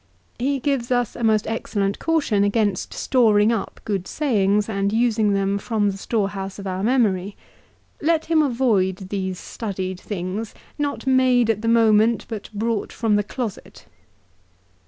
He gives us a most excellent caution against storing up good sayings, and using them from the storehouse of our memory. " Let him avoid these studied things, not made at the moment, but brought from the closet."